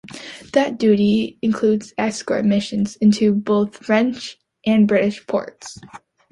That duty included escort missions into both French and British ports.